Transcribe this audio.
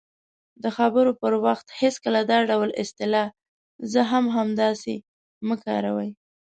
-د خبرو پر وخت هېڅکله دا ډول اصطلاح"زه هم همداسې" مه کاروئ :